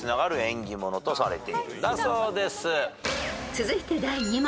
［続いて第２問］